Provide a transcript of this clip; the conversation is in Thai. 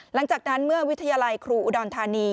หลังจากนั้นเมื่อวิทยาลัยครูอุดรธานี